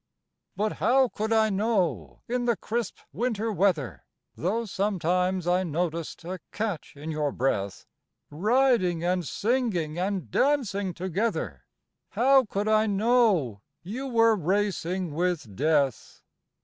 But how could I know in the crisp winter weather (Though sometimes I noticed a catch in your breath), Riding and singing and dancing together, How could I know you were racing with death?